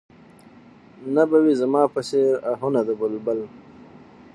نه به وي زما په څېر اهونه د بلبل